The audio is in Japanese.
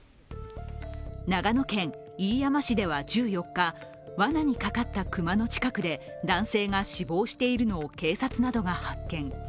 長野県飯山市では１４日、わなにかかった熊の近くで男性が死亡しているのを警察などが発見。